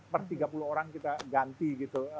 per tiga puluh orang kita ganti gitu